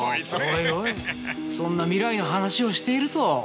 おいおいそんな未来の話をしていると。